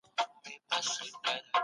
د حج په مرستې سره مي خپلي کوڅې جوړي کړې.